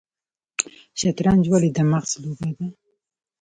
شطرنج ولې د مغز لوبه ده؟